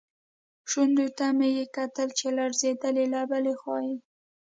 شونډو ته مې یې کتل چې لړزېدلې، له بلې خوا یې.